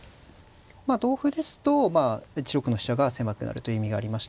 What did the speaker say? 同歩ですと１六の飛車が狭くなるという意味がありまして。